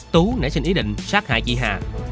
tú nãy xin ý định sát hại chị hà